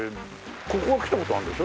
ここは来た事あるんでしょ？